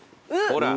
ほら。